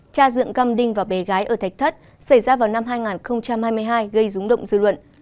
cha dượng găm đinh và bé gái ở thạch thất xảy ra vào năm hai nghìn hai mươi hai gây rúng động dư luận